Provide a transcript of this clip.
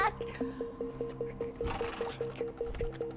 ค่ะ